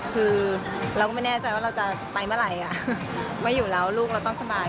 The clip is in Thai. คือเราก็ไม่แน่ใจว่าเราจะไปเมื่อไหร่ไม่อยู่แล้วลูกเราต้องสบาย